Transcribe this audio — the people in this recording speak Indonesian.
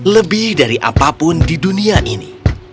lebih dari apapun di dunia ini